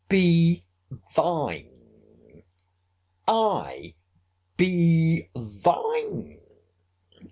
— Be thine!—I be thine!